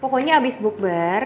pokoknya abis bukbar